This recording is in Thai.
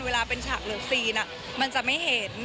เวลาเป็นฉากเลิฟซีนมันจะไม่เห็น